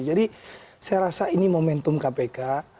jadi saya rasa ini momentum kpk